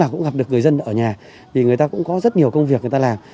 nhưng mà cũng gặp được người dân ở nhà thì người ta cũng có rất nhiều công việc người ta làm